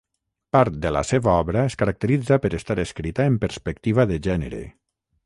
Part de la seva obra es caracteritza per estar escrita en perspectiva de gènere.